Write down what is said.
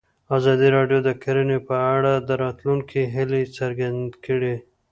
ازادي راډیو د کرهنه په اړه د راتلونکي هیلې څرګندې کړې.